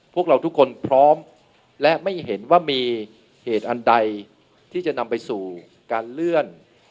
พวกเราทุกคนพร้อมและไม่เห็นว่ามีเหตุอันใดที่จะนำไปสู่การเลื่อน